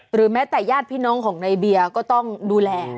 แม้แต่ญาติพี่น้องของในเบียร์ก็ต้องดูแล